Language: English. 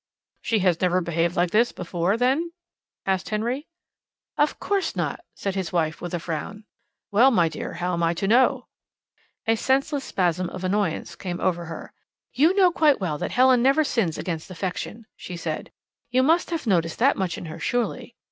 "She has never behaved like this before, then?" asked Henry. "Of course not!" said his wife, with a frown. "Well, my dear, how am I to know?" A senseless spasm of annoyance came over her. "You know quite well that Helen never sins against affection," she said. "You must have noticed that much in her, surely."